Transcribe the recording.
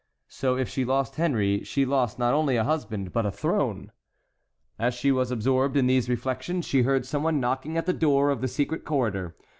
So if she lost Henry she lost not only a husband, but a throne. As she was absorbed in these reflections she heard some one knocking at the door of the secret corridor.